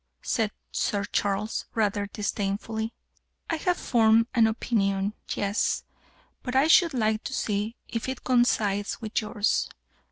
said Sir Charles, rather disdainfully. "I have formed an opinion yes, but I should like to see if it coincides with yours.